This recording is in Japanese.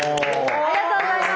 ありがとうございます。